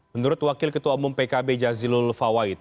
menurut wakil ketua umum pkb jazilul fawait